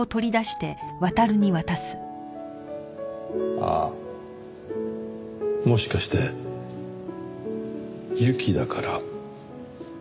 あっもしかして「ユキ」だから「スノウ」？